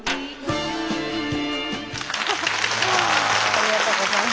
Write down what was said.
ありがとうございます。